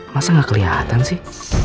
masa gak keliatan sih